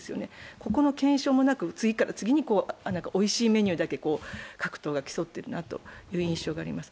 ここの検証もなく次から次においしいメニューだけ各党が競っているなという印象があります。